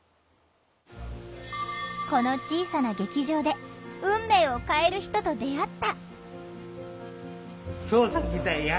この小さな劇場で運命を変える人と出会った！